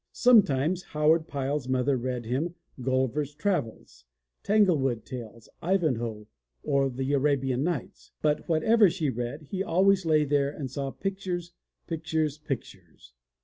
Sometimes How ard Pyle's mother read him Gulliver's ^^' V^\M»kC ^ii\ Travels, Tanglewood Tales, Ivanhoe or \ ^^NBRBfe^^^fethe Arabian Nights, but whatever she read, he always lay there and saw pictures, pictures, pictures.